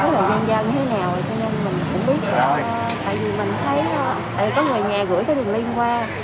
tại vì mình thấy có người nhà gửi đường link qua